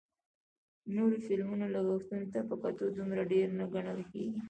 نورو فلمونو لګښتونو ته په کتو دومره ډېر نه ګڼل کېږي